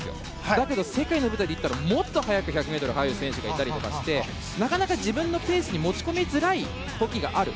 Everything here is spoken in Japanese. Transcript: だけど、世界の舞台で言ったらもっと早く１００ｍに入る選手がいたりしてなかなか自分のペースに持ち込みづらい時がある。